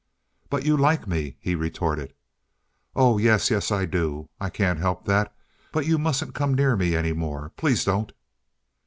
"But you like me," he retorted. "Oh yes, yes, I do. I can't help that. But you mustn't come near me any more. Please don't."